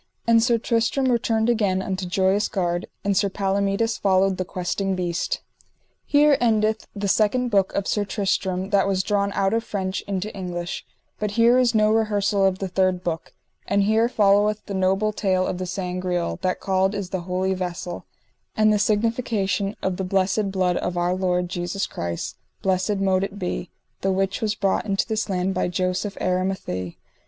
And Sir Tristram returned again unto Joyous Gard, and Sir Palomides followed the Questing Beast. _Here endeth the second book of Sir Tristram that was drawn out of French into English. But here is no rehersal of the third book. And here followeth the noble tale of the Sangreal, that called is the Holy Vessel; and the signification of the blessed blood of our Lord Jesus Christ, blessed mote it be, the which was brought into this land by Joseph Aramathie.